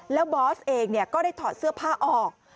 แล้วบอสเองก็ได้ถอดเสื้อผ้าออก